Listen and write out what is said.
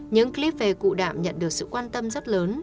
những clip về cụ đạm nhận được sự quan tâm rất lớn